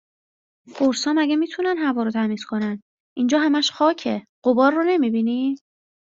قُرصا مگه میتونن هوا رو تمیز کنن؟ اینجا هَمَش خاکه، غبار رو نمیبینی؟